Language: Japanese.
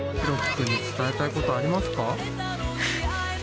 君に伝えたいことありますか？